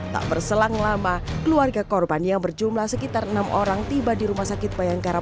tak berselang lama keluarga korban yang berjumlah sekitar enam orang tiba di rumah sakit bayangkara